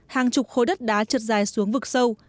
hàng chục khối đất đá chật dài xuống vực sâu